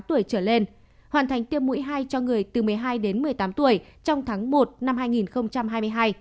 sáu tuổi trở lên hoàn thành tiêm mũi hai cho người từ một mươi hai đến một mươi tám tuổi trong tháng một năm hai nghìn hai mươi hai